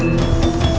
pada saat yang sama